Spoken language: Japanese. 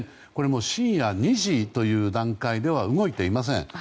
深夜２時という段階では動いていません。